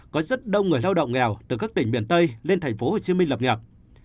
có rất đông người lao động nghèo từ các tỉnh miền tây lên tp hcm lập nghiệp